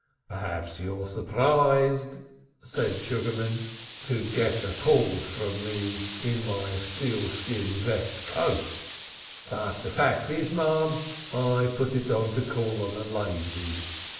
"P'raps you're surprised," said Sugarman, "to get a call from me in my sealskin vest coat. But de fact is, marm, I put it on to call on a lady.